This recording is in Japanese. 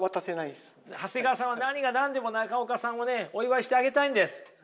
長谷川さんは何が何でも中岡さんをねお祝いしてあげたいんです。